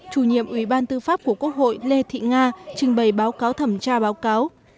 chủ nhiệm ủy ban tư pháp của quốc hội lê thị nga trình bày báo cáo thẩm tra báo cáo